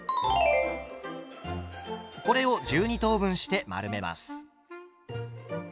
これを１２等分して丸めます。